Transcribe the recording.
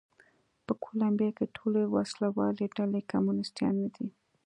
په کولمبیا کې ټولې وسله والې ډلې کمونېستان نه دي.